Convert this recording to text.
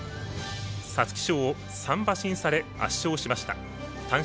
皐月賞を３馬身差で圧勝しました。